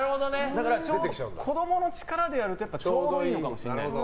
だから、子供の力でやるとちょうどいいかもしれないです。